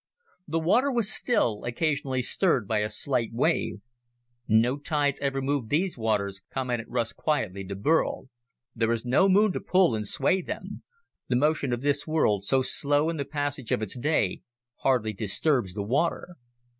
The water was still, occasionally stirred by a slight wave. "No tides have ever moved these waters," commented Russ quietly to Burl. "There is no moon to pull and sway them. The motion of this world, so slow in the passage of its day, hardly disturbs the water."